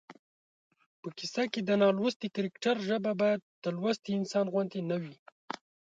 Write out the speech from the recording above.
په کیسه کې د نالوستي کرکټر ژبه باید د لوستي انسان غوندې نه وي